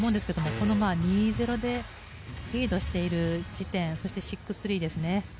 この２−０でリードしている時点そして、６−０ですね。